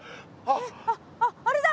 ああれだ！